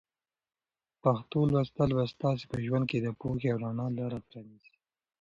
پښتو لوستل به ستاسو په ژوند کې د پوهې او رڼا لاره پرانیزي.